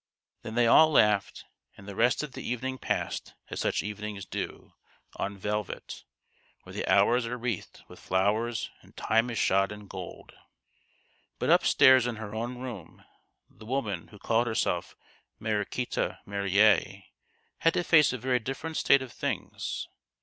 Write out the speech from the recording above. Then they all laughed ; and the rest of the evening passed as such evenings do, on velvet, THE GHOST OF THE PAST. 173 where the hours are wreathed with flowers and Time is shod in gold. But upstairs in her own room the woman who called herself Mariquita Marillier had to face a very different state of things.